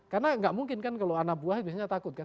karena enggak mungkin kan kalau anak buah biasanya takut kan